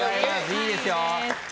いいですよ。